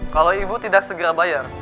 kalau ibu tidak segera bayar